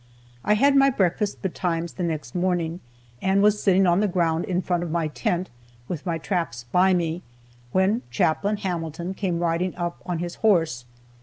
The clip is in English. I had my breakfast betimes the next morning, and was sitting on the ground in front of my tent, with my traps by me, when Chaplain Hamilton came riding up on his horse.